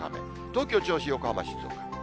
東京、銚子、横浜、静岡。